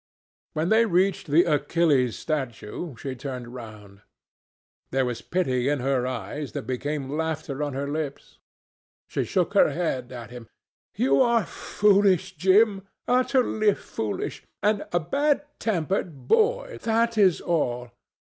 When they reached the Achilles Statue, she turned round. There was pity in her eyes that became laughter on her lips. She shook her head at him. "You are foolish, Jim, utterly foolish; a bad tempered boy, that is all.